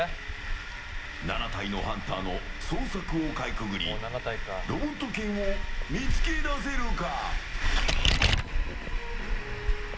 ７体のハンターの捜索をかいくぐりロボット犬を見つけ出せるか。